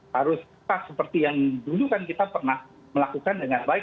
harus seperti yang dulu kita pernah melakukan dengan baik